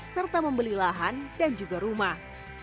serta membeli lahan dan juga rumah